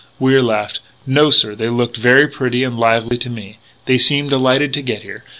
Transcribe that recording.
Wier laughed: "No, sir, they looked very pretty and lively to me. They seemed delighted to get here.